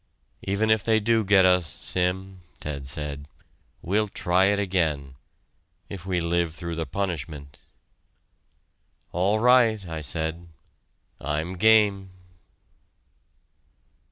"Even if they do get us, Sim," Ted said, "we'll try it again if we live through the punishment." "All right," I said, "I'm game."